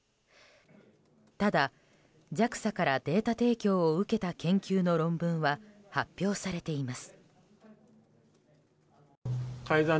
ただＪＡＸＡからデータ提供を受けた研究の論文は発表されています。